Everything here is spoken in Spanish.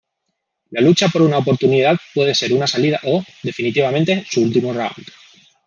La lucha por una oportunidad puede ser una salida o, definitivamente, su último round.